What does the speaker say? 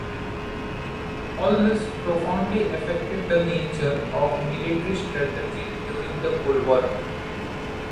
All this profoundly affected the nature of military strategy during the Cold War.